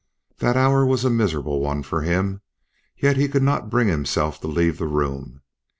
That hour was a miserable one for him, yet he could not bring himself to leave the room.